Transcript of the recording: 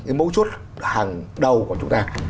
cái mấu chút hàng đầu của chúng ta